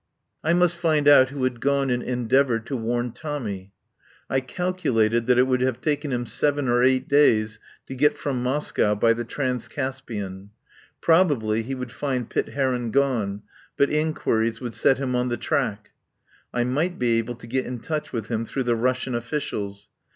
I must find out who had gone and endeav our to warn Tommy. I calculated that it would have taken him seven or eight days to get from Moscow by the Transcaspian; prob ably he would find Pitt Heron gone, but in quiries would set him on the track. I might be able to get in touch with him through the Russian officials.